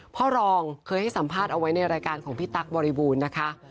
พ่อรองเคยให้สัมภาษณ์เอาไว้ในรายการของพี่ตั๊กบริบูรณ์นะคะ